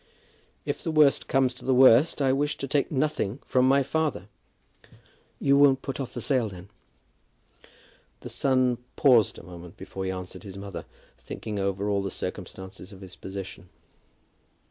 "If the worst comes to the worst, I wish to take nothing from my father." "You won't put off the sale, then?" The son paused a moment before he answered his mother, thinking over all the circumstances of his position.